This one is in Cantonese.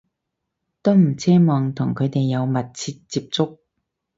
都唔奢望同佢哋有密切接觸